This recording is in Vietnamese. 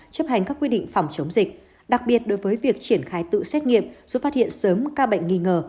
chấp hành các quy định phòng chống dịch đặc biệt đối với việc triển khai tự xét nghiệm giúp phát hiện sớm ca bệnh nghi ngờ